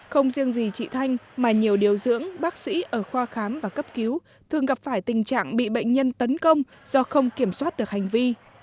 không riêng gì chị thanh mà nhiều điều dưỡng bác sĩ ở khoa khám và cấp cứu thường gặp phải tình trạng bị bệnh nhân tấn công do không kiểm soát được hành vi